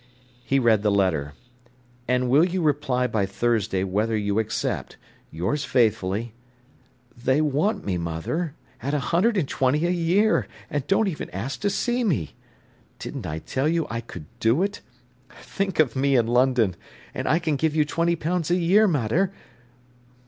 He read the letter: "'And will you reply by Thursday whether you accept. Yours faithfully—' They want me, mother, at a hundred and twenty a year, and don't even ask to see me. Didn't I tell you I could do it! Think of me in London! And I can give you twenty pounds a year, mater.